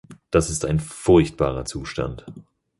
Das ist ein furchtbarer Zustand.